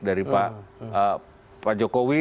dari pak jokowi